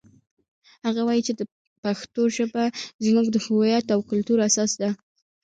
هغه وایي چې د پښتو ژبه زموږ د هویت او کلتور اساس ده